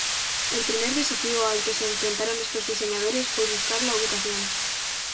El primer desafío al que se enfrentaron estos diseñadores fue buscar la ubicación.